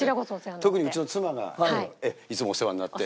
特にうちの妻がいつもお世話になって。